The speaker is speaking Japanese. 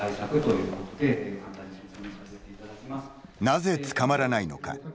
なぜ捕まらないのか。